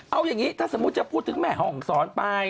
เอางี้ถ้าสมมติจะพูดถึงแหมหองศอดไป